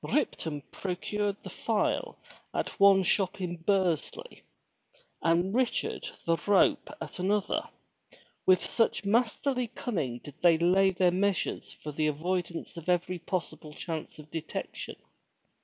Ripton procured the file at one shop in Bursley and Richard the 240 FROM THE TOWER WINDOW rope at another, with such masterly cunning did they lay their measures for the avoidance of every possible chance of detection.